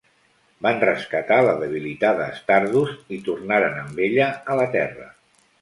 Van rescatar la debilitada Stardust i tornaren amb ella a la terra.